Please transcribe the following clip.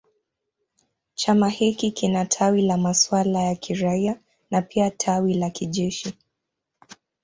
Chama hiki kina tawi la masuala ya kiraia na pia tawi la kijeshi.